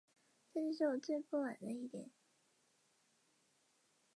他的诗作也同时被希腊艺术家在其书中使用。